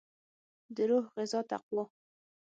دروح غذا تقوا